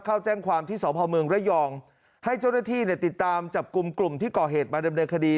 เข้าแจ้งความที่สพระยองให้เจ้าหน้าที่ติดตามจับกลุ่มที่ก่อเหตุมาเริ่มเริ่มคดี